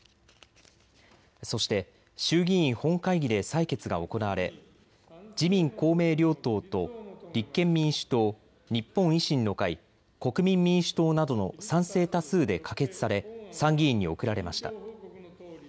そして衆議院本会議で採決が行われ自民公明両党と立憲民主党、日本維新の会、国民民主党などの賛成多数で可決され参議院に送られました。